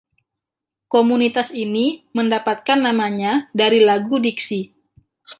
Komunitas ini mendapatkan namanya dari lagu “Dixie”.